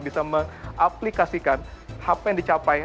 bisa mengaplikasikan apa yang dicapai